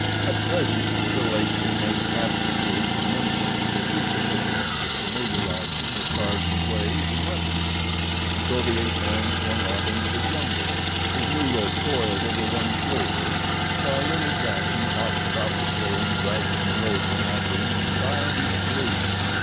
At present the little ape's innate aptitude for mimicry would be sufficient to familiarize him with Tarzan's ways and weapons, and so the ape man swung off into the jungle, his new rope coiled over one shoulder, while little Gazan hopped about the clearing dragging the old one after him in childish glee.